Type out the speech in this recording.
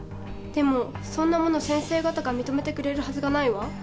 でもそんなもの先生方が認めてくれるはずがないわ。